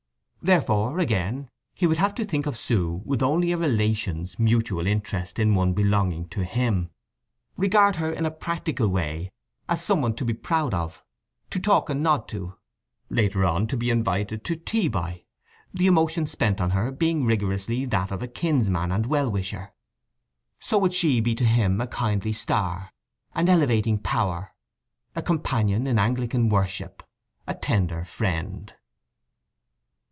Therefore, again, he would have to think of Sue with only a relation's mutual interest in one belonging to him; regard her in a practical way as some one to be proud of; to talk and nod to; later on, to be invited to tea by, the emotion spent on her being rigorously that of a kinsman and well wisher. So would she be to him a kindly star, an elevating power, a companion in Anglican worship, a tender friend.